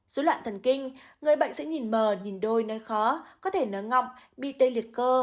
dối loạn thần kinh người bệnh sẽ nhìn mờ nhìn đôi nói khó có thể nói ngọng bị tên liệt cơ